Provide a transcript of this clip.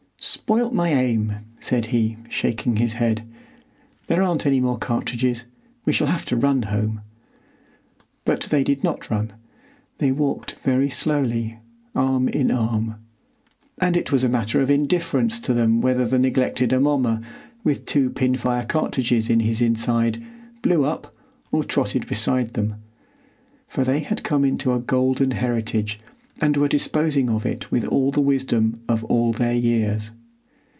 "Spoilt my aim," said he, shaking his head. "There aren't any more cartridges; we shall have to run home." But they did not run. They walked very slowly, arm in arm. And it was a matter of indifference to them whether the neglected Amomma with two pin fire cartridges in his inside blew up or trotted beside them; for they had come into a golden heritage and were disposing of it with all the wisdom of all their years.